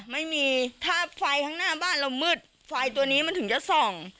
ไม่มีถ้าไฟข้างหน้าบ้านเรามืดไฟตัวนี้มันถึงจะส่อง